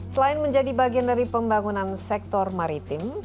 selain menjadi bagian dari pembangunan sektor maritim